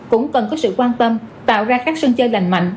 cũng cần có sự quan tâm tạo ra các sân chơi lành mạnh